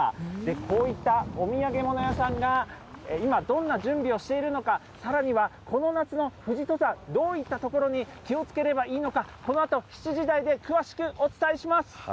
こういったお土産物屋さんが今、どんな準備をしているのか、さらにはこの夏の富士登山、どういったところに気をつければいいのか、このあと７時台で詳しくお伝えします。